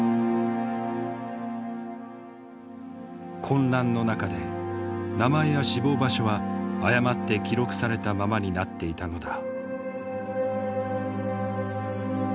混乱の中で名前や死亡場所は誤って記録されたままになっていたのだ。